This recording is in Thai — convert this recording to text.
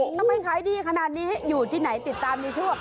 ทำไมขายดีขนาดนี้อยู่ที่ไหนติดตามในช่วง